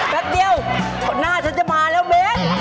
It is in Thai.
แป๊บเดียวหน้าฉันจะมาแล้วเบ้น